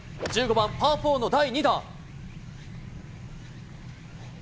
１５番パー４の第２打。